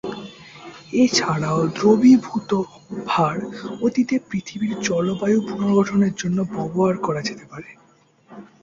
এছাড়াও, দ্রবীভূত ভার অতীতে পৃথিবীর জলবায়ু পুনর্গঠনের জন্য ব্যবহার করা যেতে পারে।